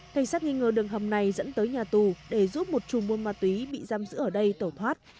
thành sát nghi ngờ đường hầm này dẫn tới nhà tù để giúp một trùm muôn ma túy bị giam giữ ở đây tổ thoát